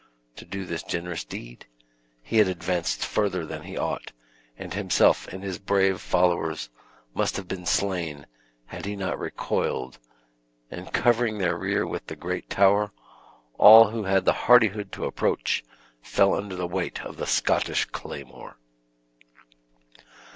To do this generous deed, he had advanced further than he ought, and himself and his brave followers must have been slain had he not recoiled, and covering their rear with the great tower, all who had the hardihood to approach fell under the weight of the Scottish claymore.